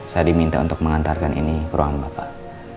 saya diminta untuk mengantarkan ini ke ruang bapak